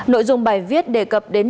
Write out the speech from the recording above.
nội dung bài viết đề cập đến